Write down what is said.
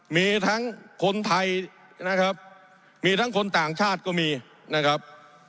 มีทั้งคนไทยนะครับมีทั้งคนต่างชาติก็มีนะครับ